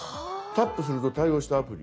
「タップすると対応したアプリ」。